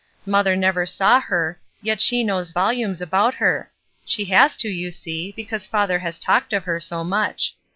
Mother never saw her, yet she knows voliunes about her; she has to, you see, because father has talked of her so much.